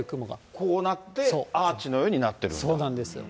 で、こうなってアーチのようになっていると。